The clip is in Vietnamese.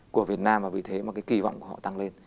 của việt nam và vì thế mà cái kỳ vọng của họ tăng lên